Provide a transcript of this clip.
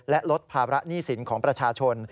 และลดภาระหนี้สินของประชาชน